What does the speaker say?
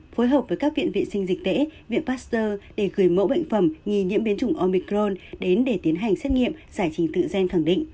phối hợp với các viện vệ sinh dịch tễ viện pasteur để gửi mẫu bệnh phẩm nghi nhiễm biến chủng omicron đến để tiến hành xét nghiệm giải trình tự gen khẳng định